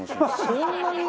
そんなに？